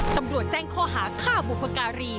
ตำรวจแจ้งข้อหาฆ่าบุพการี